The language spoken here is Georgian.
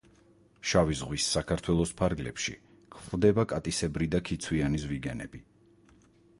შავი ზღვის საქართველოს ფარგლებში გვხვდება კატისებრი და ქიცვიანი ზვიგენები.